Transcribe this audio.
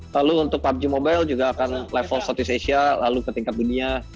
lalu untuk pubg mobile juga akan level southeast asia lalu ke tingkat dunia